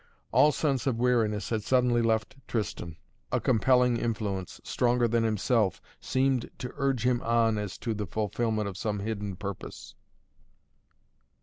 All sense of weariness had suddenly left Tristan. A compelling influence, stronger than himself, seemed to urge him on as to the fulfillment of some hidden purpose.